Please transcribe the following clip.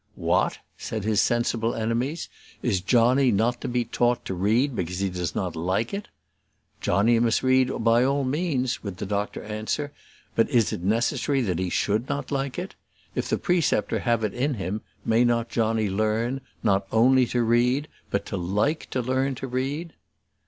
"What!" said his sensible enemies, "is Johnny not to be taught to read because he does not like it?" "Johnny must read by all means," would the doctor answer; "but is it necessary that he should not like it? If the preceptor have it in him, may not Johnny learn, not only to read, but to like to learn to read?"